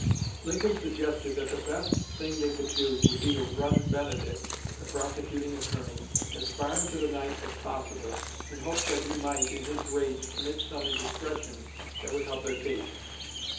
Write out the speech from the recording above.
Lincoln suggested that the best thing they could do would be to run Benedict, the prosecuting attorney, as far into the night as possible, in hopes that he might, in his rage, commit some indiscretion that would help their case.